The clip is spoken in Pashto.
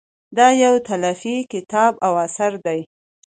دا یو تالیفي کتاب او اثر دی.